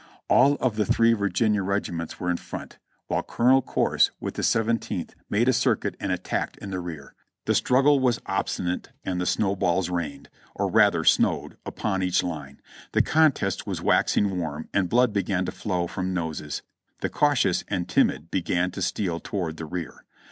All of the three Virginia regi ments were in front, while Colonel Corse, with the Seventeenth, made a circuit and attacked in the rear. The struggle was ob stinate and the snow balls rained, or rather snowed, upon each line. The contest was waxing warm and blood began to flow from noses. The cautious and timid began to steal toward the rear.